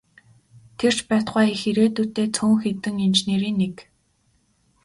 Тэр ч байтугай их ирээдүйтэй цөөн хэдэн инженерийн нэг.